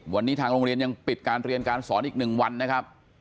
วันนี้ทางโรงเรียนยังปิดการเรียนการสอนอีก๑วันนะครับ